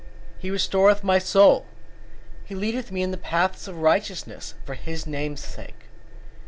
23:3 He restoreth my soul: he leadeth me in the paths of righteousness for his name's sake.